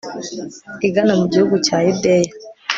igana mu gihugu cya yudeya